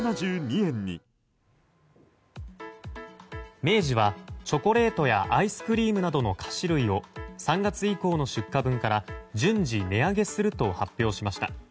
明治はチョコレートやアイスクリームなどの菓子類を３月以降の出荷分から順次、値上げすると発表しました。